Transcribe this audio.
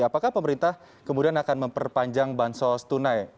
apakah pemerintah kemudian akan memperpanjang bansos tunai